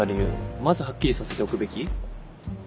まずはっきりさせておくべき？